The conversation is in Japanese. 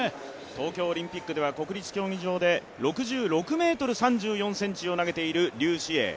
東京オリンピックでは国立競技場で６６ｍ４３ｃｍを投げている劉詩穎。